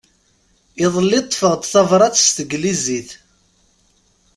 Iḍelli ṭṭfeɣ-d tabrat s tneglizit.